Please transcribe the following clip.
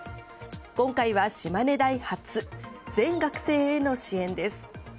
今回は島根大初全学生への支援です。